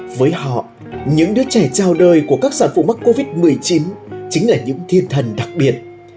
với họ những đứa trẻ trào đời của các sản phụ mắc covid một mươi chín chính là những thiên thần đặc biệt